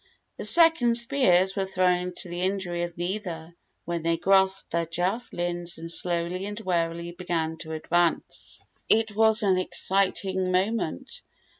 The second spears were thrown to the injury of neither, when they grasped their javelins and slowly and warily began to advance. It was an exciting moment.